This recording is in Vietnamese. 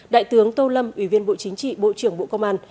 đại tướng tô lâm ủy viên bộ chính trị bộ trưởng bộ công an